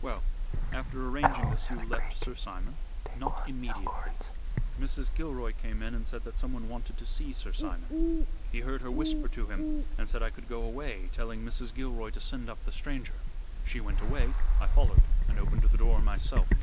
"Well, after arranging this you left Sir Simon?" "Not immediately. Mrs. Gilroy came in and said that someone wanted to see Sir Simon. He heard her whisper to him, and said I could go away, telling Mrs. Gilroy to send up the stranger. She went away. I followed, and opened the door myself."